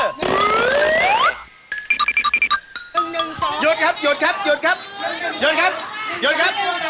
หยุดครับหยุดครับหยุดครับหยุดครับหยุดครับ